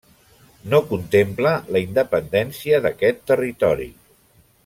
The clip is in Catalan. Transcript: No contempla la independència d'aquest territori.